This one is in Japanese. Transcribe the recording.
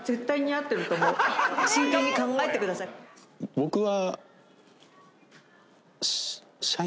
僕は。